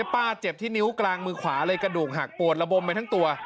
ป้าเจ็บที่นิ้วกลางมือขวาเลยกระดูกหักปวดระบมไปทั้งตัว